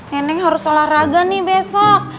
neneng harus olahraga nih besok